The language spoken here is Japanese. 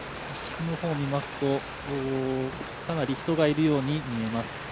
奥の方見ますとかなり人がいるように見えます